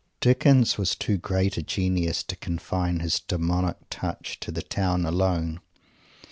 Dickens was too great a genius to confine his demonic touch to the town alone.